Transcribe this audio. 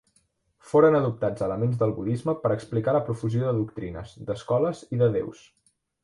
Foren adoptats elements del budisme per explicar la profusió de doctrines, d'escoles i de déus.